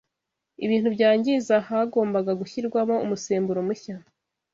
ibintu byangiza hagombaga gushyirwamo umusemburo mushya